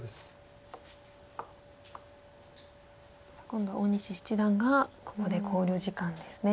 さあ今度は大西七段がここで考慮時間ですね。